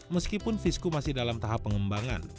meskipun visku masih dalam tahap pengembangan